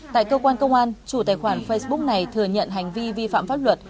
tại cơ quan công an chủ tài khoản facebook này thừa nhận hành vi vi phạm pháp luật